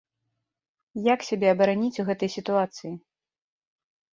Як сябе абараніць ў гэтай сітуацыі?